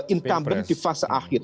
incoming di fase akhir